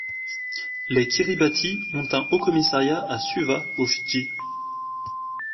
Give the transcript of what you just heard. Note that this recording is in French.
Les Kiribati ont un Haut-commissariat à Suva, aux Fidji.